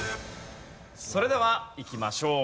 それではいきましょう。